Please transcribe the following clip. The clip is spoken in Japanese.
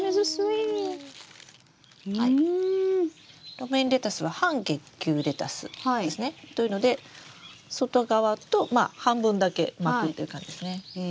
ロメインレタスは半結球レタスですね。というので外側とまあ半分だけ巻くっていう感じですね。